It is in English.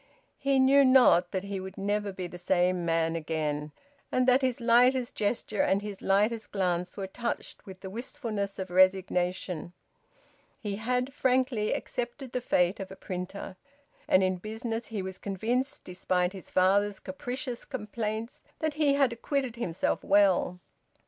He knew not that he would never be the same man again, and that his lightest gesture and his lightest glance were touched with the wistfulness of resignation. He had frankly accepted the fate of a printer. And in business he was convinced, despite his father's capricious complaints, that he had acquitted himself well.